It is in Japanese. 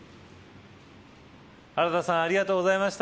原田さんありがとうございました。